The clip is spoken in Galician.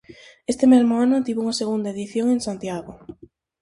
Este mesmo ano tivo unha segunda edición en Santiago.